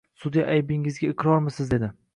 Sudya aybingizga iqrormisiz, dedi.